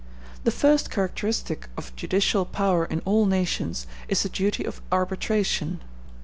The first characteristic of judicial power in all nations is the duty of arbitration.